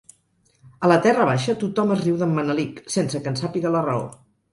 A la Terra baixa tothom es riu d'en Manelic, sense que en sàpiga la raó.